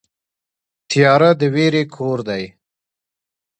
تیاره د وېرې کور دی.